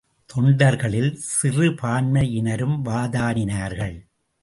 தொண்டர்களில் சிறுபான்மையினரும் வாதாடினார்கள்.